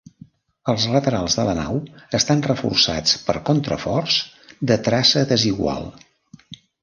Els laterals de la nau estan reforçats per contraforts de traça desigual.